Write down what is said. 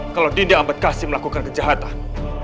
kalau dinda ambedkasi melakukan kejahatan